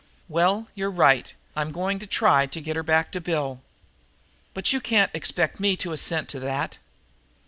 "Well, you're right; I'm going to try to get her back for Bill." "But you can't expect me to assent to that?"